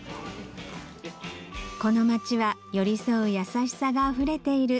この街は寄り添う優しさがあふれている